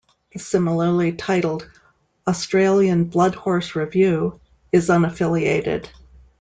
The similarly titled "Australian Bloodhorse Review" is unaffiliated.